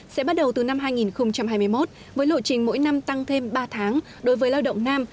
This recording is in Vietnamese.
sẽ bắt đầu từ năm hai nghìn hai mươi một với lộ trình mỗi năm tăng thêm ba tháng đối với lao động nam